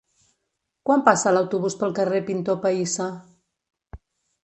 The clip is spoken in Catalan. Quan passa l'autobús pel carrer Pintor Pahissa?